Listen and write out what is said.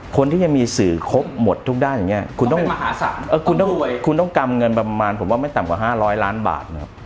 คนที่จะมีสื่อครบหมดทุกด้านอย่างนี้คุณต้องคุณต้องกำเงินประมาณผมว่าไม่ต่ำกว่า๕๐๐ล้านบาทนะครับ